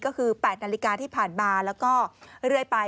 ก็คือ๘นาฬิกาที่ผ่านมาแล้วก็เรื่อยไป